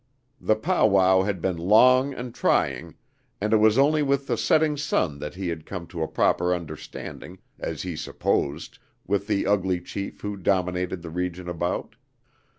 The pow wow had been long and trying, and it was only with the setting sun that he had come to a proper understanding, as he supposed, with the ugly chief who dominated the region about.